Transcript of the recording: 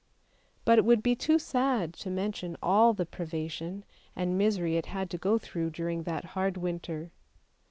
But it would be too sad to mention all the privation and misery it had to go through during that hard winter.